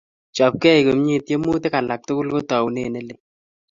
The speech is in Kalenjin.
Chopkei komie, tiemutik alak tugul ko taunet ne lel